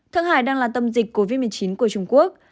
thượng hải đang là tâm dịch covid một mươi chín của trung quốc